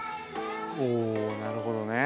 おおなるほどね。